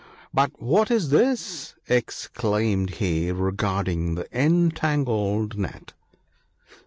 — But what is this ?' exclaimed he, regarding the entangled net.